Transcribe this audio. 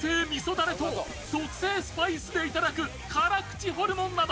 だれと特製スパイスでいただく辛口ホルモンなど